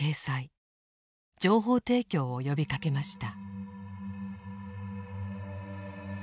情報提供を呼びかけました。